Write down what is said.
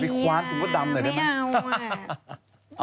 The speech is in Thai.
กินไส้ด้วยเหรอ